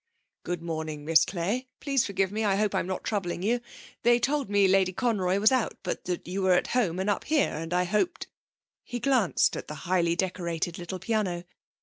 'Good morning, Miss Clay. Please forgive me. I hope I'm not troubling you? They told me Lady Conroy was out but that you were at home and up here; and I hoped ' He glanced at the highly decorated little piano.